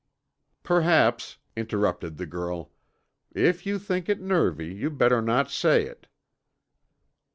"Perhaps," interrupted the girl, "if you think it nervy, you'd better not say it."